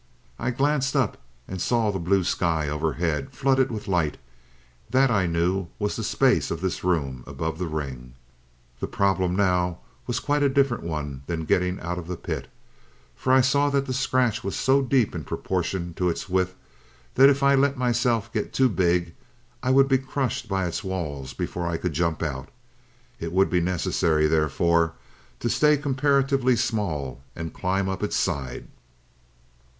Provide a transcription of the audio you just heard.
I glanced up and saw the blue sky overhead, flooded with light, that I knew was the space of this room above the ring. "The problem now was quite a different one than getting out of the pit, for I saw that the scratch was so deep in proportion to its width that if I let myself get too big, I would be crushed by its walls before I could jump out. It would be necessary, therefore, to stay comparatively small and climb up its side.